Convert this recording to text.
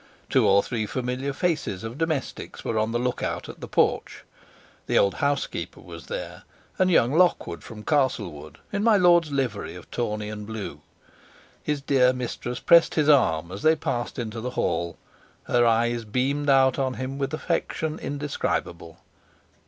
Two or three familiar faces of domestics were on the look out at the porch the old housekeeper was there, and young Lockwood from Castlewood in my lord's livery of tawny and blue. His dear mistress pressed his arm as they passed into the hall. Her eyes beamed out on him with affection indescribable.